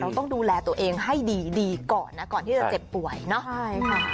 เราต้องดูแลตัวเองให้ดีก่อนนะก่อนที่จะเจ็บป่วยเนาะ